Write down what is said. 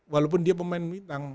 walaupun dia pemain bintang